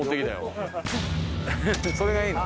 それがいいの？